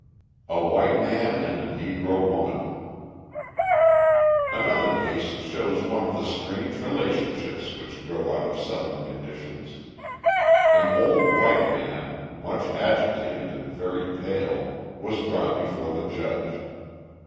A White Man and a Negro Woman Another case shows one of the strange relationships which grow out of Southern conditions. An old white man, much agitated and very pale, was brought before the judge.